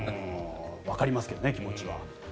わかりますけどね、気持ちは。